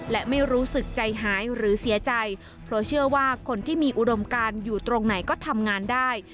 และไม่รู้สึกใจหายหรือเสียใจเพราะเชื่อว่าคนที่มีอุดมการอยู่ตรงไหนก็ทำงานได้